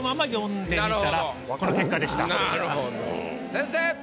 先生！